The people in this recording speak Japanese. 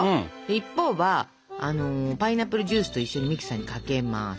一方はあのパイナップルジュースと一緒にミキサーにかけます。